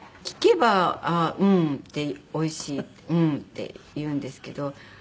聞けば「うん」って「おいしい」って「うん」って言うんですけど